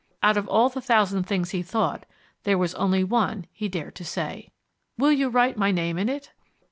Out of all the thousand things he thought, there was only one he dared to say. "Will you write my name in it?"